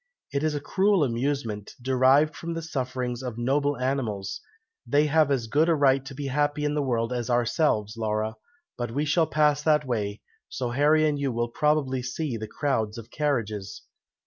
"It is a cruel amusement, derived from the sufferings of noble animals; they have as good a right to be happy in the world as ourselves, Laura; but we shall pass that way, so Harry and you will probably see the crowds of carriages."